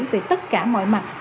về tất cả mọi mặt